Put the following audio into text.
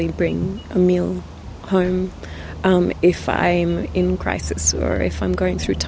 yang akan ada di dalam hidup